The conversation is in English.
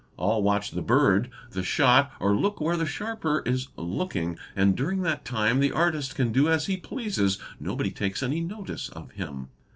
All watch the bird, the shot, or look where the sharper is looking. And during that time the artist can do as he pleases,—nobody takes any notice of him.